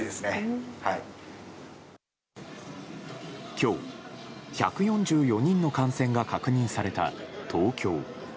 今日、１４４人の感染が確認された東京。